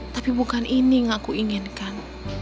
tapi bukan ini yang aku inginkan